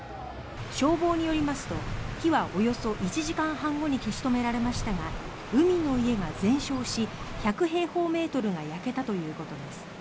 消防によりますと火はおよそ１時間半後に消し止められましたが海の家が全焼し１００平方メートルが焼けたということです。